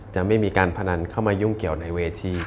จะไม่มีการพนันเข้ามายุ่งเกี่ยวในเวที